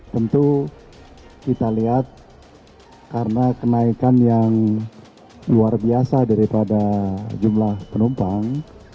tentu kita lihat karena kenaikan yang luar biasa daripada jumlah penumpang